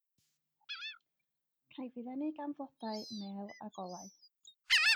Caiff ei ddenu gan flodau, mêl a golau.